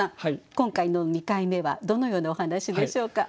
今回の２回目はどのようなお話でしょうか？